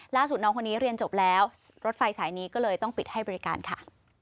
น้องคนนี้เรียนจบแล้วรถไฟสายนี้ก็เลยต้องปิดให้บริการค่ะ